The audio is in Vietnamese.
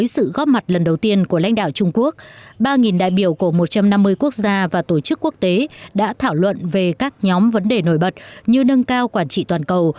sự góp mặt lần đầu tiên của lãnh đạo trung quốc ba đại biểu của một trăm năm mươi quốc gia và tổ chức quốc tế đã thảo luận về các nhóm vấn đề nổi bật như nâng cao quản trị toàn cầu